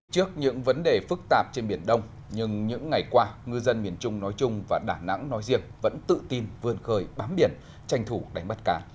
trước những vấn đề phức tạp trên biển đông nhưng những ngày qua ngư dân miền trung nói chung và đà nẵng nói riêng vẫn tự tin vươn khơi bám biển tranh thủ đánh bắt cá